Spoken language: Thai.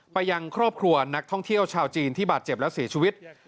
ยังครอบครัวนักท่องเที่ยวชาวจีนที่บาดเจ็บและเสียชีวิต